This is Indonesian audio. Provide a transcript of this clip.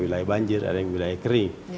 wilayah banjir ada yang wilayah kering